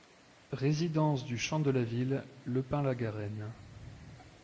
Résidence du Champ de la Ville, Le Pin-la-Garenne